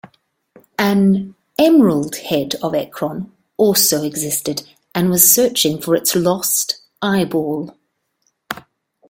An "Emerald Head of Ekron" also existed and was searching for its lost eyeball.